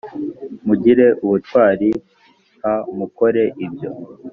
Mugire ubutwari h mukore ibyo